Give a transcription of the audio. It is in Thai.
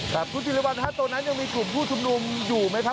ครับผู้จิลิวัลนะคะตรงนั้นยังมีกลุ่มผู้ชุมนุมอยู่ไหมคะ